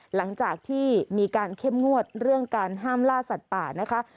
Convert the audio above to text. หลังจากที่มีการเข้มงวดเรื่องการห้ามล่าสัตว์ป่านะคะ